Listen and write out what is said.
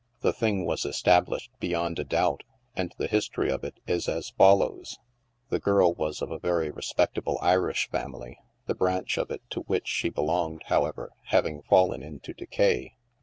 The thing was established beyond a doubt, and the history of it is as follows : The girl was of a very respectable Irish family, the branch of it to which she be longed, however, having fallen into decay.